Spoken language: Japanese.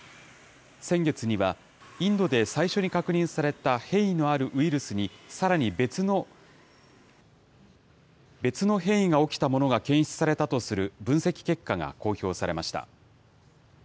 先月には、インドで最初に確認された変異のあるウイルスにさらに別の変異が起きたものが検出されたとする分析結果が公表されました。